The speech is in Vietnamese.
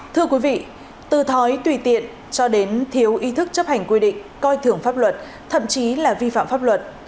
thưa quý vị từ thói tùy ti ia điện cho đến thií reception chấp hẳn quy định coi thường pháp luật thậm chí là vi phạm pháp luật